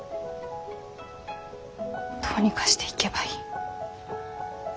どうにかして行けばいい。